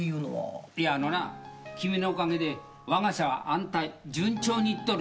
いやあのな君のおかげでわが社は安泰順調にいっとる。